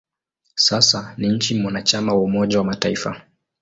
Sasa ni nchi mwanachama wa Umoja wa Mataifa.